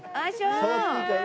触っていいかい？